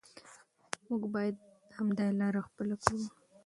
موږ باید همدا لاره خپله کړو.